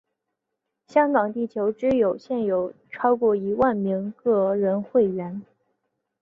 香港地球之友现有超过一万名个人会员。